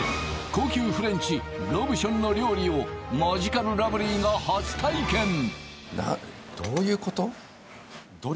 高級フレンチロブションの料理をマヂカルラブリーが初体験どういうこと？